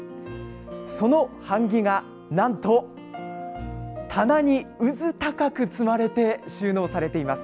その版木が、なんと棚にうず高く積まれて収納されています。